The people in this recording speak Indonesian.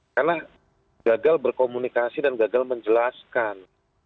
karena gagal berkomunikasi dan gagal menjelaskan